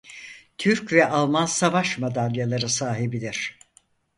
Türk ve Alman Savaş Madalyaları sahibidir.